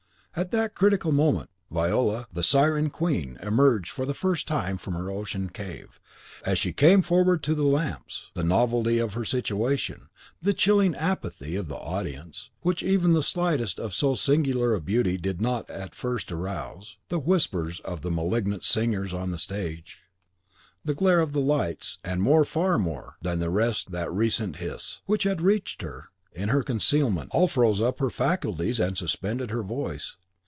At that critical moment Viola, the Siren queen, emerged for the first time from her ocean cave. As she came forward to the lamps, the novelty of her situation, the chilling apathy of the audience, which even the sight of so singular a beauty did not at the first arouse, the whispers of the malignant singers on the stage, the glare of the lights, and more far more than the rest that recent hiss, which had reached her in her concealment, all froze up her faculties and suspended her voice.